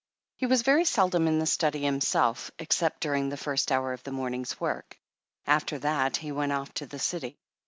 He was very seldom in the study himself, except during the first hour of the morn ing's work. After that, he went off to the City.